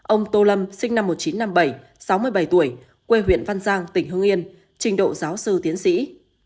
ông tô lâm sinh năm một nghìn chín trăm năm mươi bảy sáu mươi bảy tuổi quê huyện văn giang tỉnh hương yên trình độ giáo sư tiến sĩ